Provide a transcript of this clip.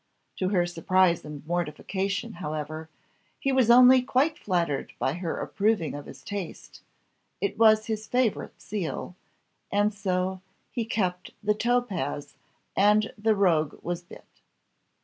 To her surprise and mortification, however, he was only quite flattered by her approving of his taste: it was his favourite seal, and so "he kept the topaz, and the rogue was bit."